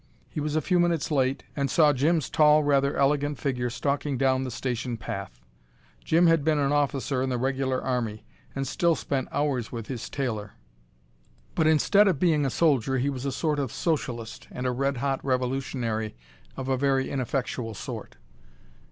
He was a few minutes late, and saw Jim's tall, rather elegant figure stalking down the station path. Jim had been an officer in the regular army, and still spent hours with his tailor. But instead of being a soldier he was a sort of socialist, and a red hot revolutionary of a very ineffectual sort.